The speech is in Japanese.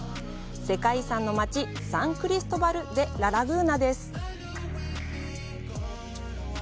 世界遺産の街、サン・クリストーバル・デ・ラ・ラグーナです。